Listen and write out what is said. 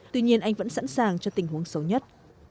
tuy nhiên anh vẫn sẵn sàng cho tình huống xấu nhất